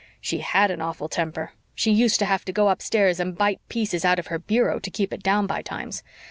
She HAD an awful temper she used to have to go upstairs and bite pieces out of her bureau to keep it down by times.